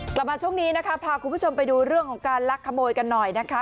กลับมาช่วงนี้นะคะพาคุณผู้ชมไปดูเรื่องของการลักขโมยกันหน่อยนะคะ